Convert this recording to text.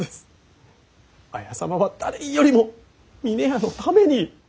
綾様は誰よりも峰屋のために！